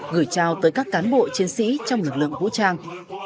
gửi trao tới các cán bộ chiến sĩ trong lực lượng vũ trang